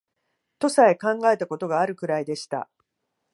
とさえ考えた事があるくらいでした